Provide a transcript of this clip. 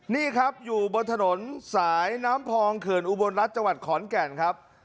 นี่ครับอยู่บนถนนสายน้ำพองเขื่อนอุบลรัฐจังหวัดขอนแก่นครับ